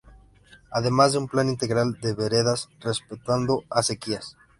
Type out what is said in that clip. Además de un Plan integral de veredas, respetando acequias.